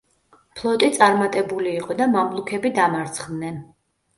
ფლოტი წარმატებული იყო და მამლუქები დამარცხდნენ.